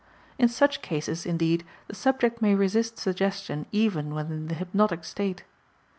In such cases indeed the subject may resist suggestion even when in the hypnotic state.